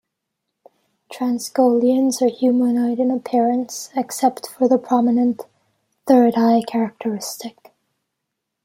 Transgolians are humanoid in appearance except for the prominent "third-eye" characteristic.